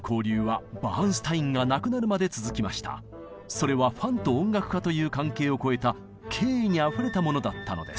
それはファンと音楽家という関係を超えた敬意にあふれたものだったのです。